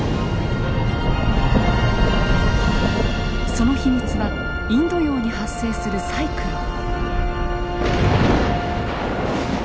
その秘密はインド洋に発生するサイクロン。